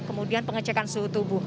kemudian pengecekan suhu tubuh